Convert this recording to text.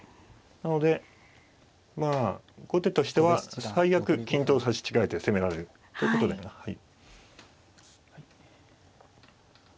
なのでまあ後手としては最悪金と刺し違えて攻められるってことではい。